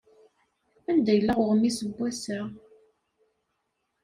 Anda yella uɣmis n wass-a?